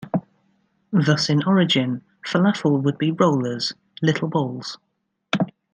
Thus in origin, falafel would be rollers, little balls.